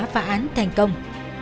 phá án thành công